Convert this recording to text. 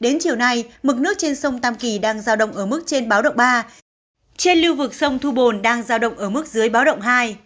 đến chiều nay mực nước trên sông tam kỳ đang giao động ở mức trên báo động ba trên lưu vực sông thu bồn đang giao động ở mức dưới báo động hai